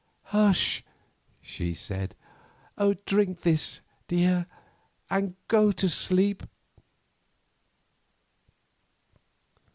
"Hush!" she said, "drink this, dear, and go to sleep."